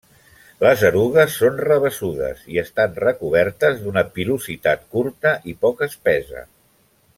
Les erugues són rabassudes i estan recobertes d'una pilositat curta i poc espessa.